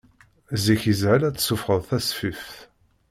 Zik yeshel ad d-tessufɣeḍ tasfift.